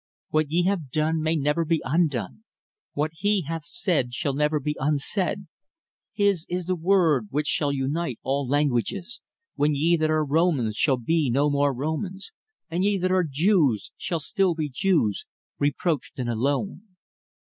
"What ye have done may never be undone; what He hath said shall never be unsaid. His is the Word which shall unite all languages, when ye that are Romans shall be no more Romans, and ye that are Jews shall still be Jews, reproached and alone.